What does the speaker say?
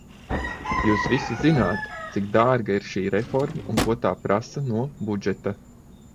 Jūs visi zināt, cik dārga ir šī reforma un ko tā prasa no budžeta.